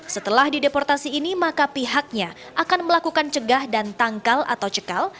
setelah dideportasi ini maka pihaknya akan melakukan cegah dan tangkal atau cekal